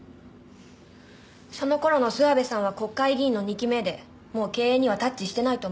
その頃の諏訪部さんは国会議員の２期目でもう経営にはタッチしてないと思うんですが。